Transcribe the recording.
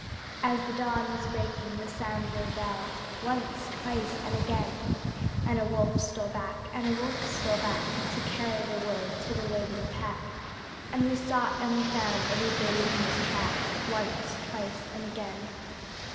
As the dawn was breaking the Sambhur belled Once, twice and again! And a wolf stole back, and a wolf stole back To carry the word to the waiting pack, And we sought and we found and we bayed on his track Once, twice and again!